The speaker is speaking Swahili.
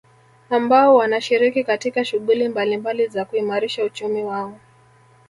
Ambao wanashiriki katika shuhguli mbalimbali za kuimarisha uchumi wao